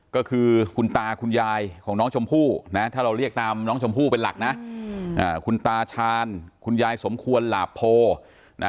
ก็คือคุณตาคุณยายของน้องชมพู่นะถ้าเราเรียกตามน้องชมพู่เป็นหลักนะคุณตาชาญคุณยายสมควรหลาโพนะ